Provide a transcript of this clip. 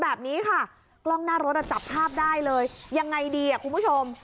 แบบนี้ค่ะกล้องหน้ารถอ่ะจับภาพได้เลยยังไงดีอ่ะคุณผู้ชม